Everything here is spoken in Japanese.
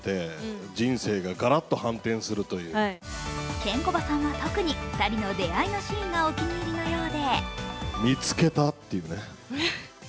ケンコバさんは特に２人の出会いのシーンがお気に入りのようで。